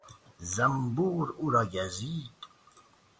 زنبور او را گزید.